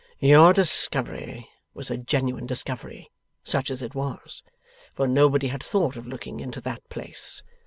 Your discovery was a genuine discovery (such as it was), for nobody had thought of looking into that place.